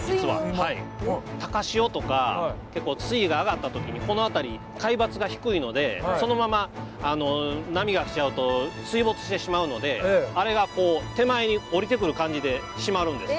高潮とか結構水位が上がった時にこの辺り海抜が低いのでそのまま波が来ちゃうと水没してしまうのであれがこう手前に降りてくる感じで閉まるんです。